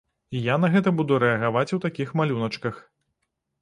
І я на гэта буду рэагаваць у такіх малюначках.